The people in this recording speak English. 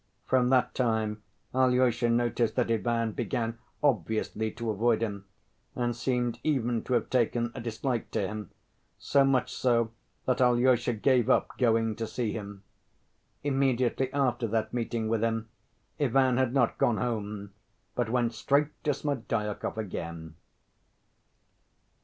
From that time Alyosha noticed that Ivan began obviously to avoid him and seemed even to have taken a dislike to him, so much so that Alyosha gave up going to see him. Immediately after that meeting with him, Ivan had not gone home, but went straight to Smerdyakov again.